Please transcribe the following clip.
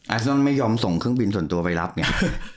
นอนไม่ยอมส่งเครื่องบินส่วนตัวไปรับเนี่ย